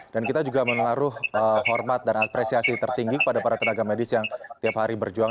dan kita juga menaruh hormat dan apresiasi tertinggi pada para tenaga medis yang tiap hari berjuang